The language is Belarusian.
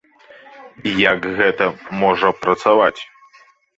Як гэта можа працаваць?